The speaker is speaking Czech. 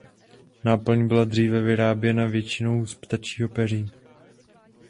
Náplň byla dříve vyráběna většinou z ptačího peří.